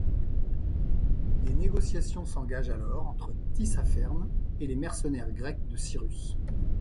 Des négociations s'engagent alors entre Tissapherne et les mercenaires grecs de Cyrus.